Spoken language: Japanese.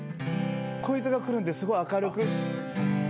こいつがくるんですごい明るく。